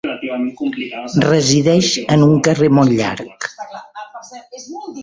Resideix en un carrer molt llarg.